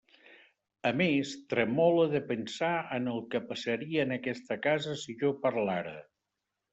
A més, tremole de pensar en el que passaria en aquesta casa si jo parlara.